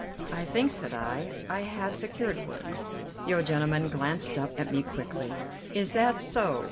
"I think," said I, "I have secured one." The old gentleman glanced up at me quickly. "Is that so?